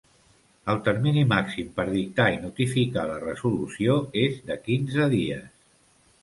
El termini màxim per dictar i notificar la resolució és de quinze dies.